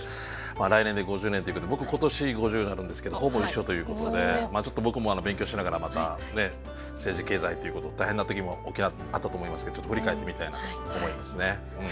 来年で５０年というけど僕今年５０になるんですけどほぼ一緒ということでまあちょっと僕も勉強しながらまたねえ政治経済ということ大変な時も沖縄あったと思いますけど振り返ってみたいなと思いますね。